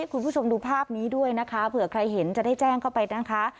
คุณผู้ชมดูภาพนี้ด้วยนะคะเผื่อใครเห็นจะได้แจ้งเข้าไปนะคะ